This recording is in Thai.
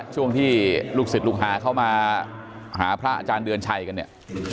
ช่วงที่ลูกศิษย์ลูกหาเข้ามาหาพระอาจารย์เดือนชัยกันเนี่ย